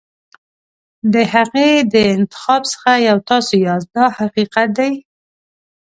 د هغې د انتخاب څخه یو تاسو یاست دا حقیقت دی.